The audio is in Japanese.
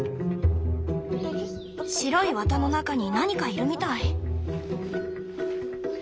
白い綿の中に何かいるみたい。